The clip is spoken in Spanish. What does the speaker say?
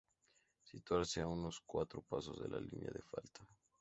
Situarse a unos cuatro pasos de la línea de falta.